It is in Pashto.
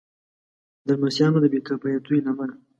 د لمسیانو د بې کفایتیو له امله.